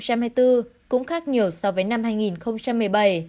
cũng khác nhiều so với năm hai nghìn một mươi bảy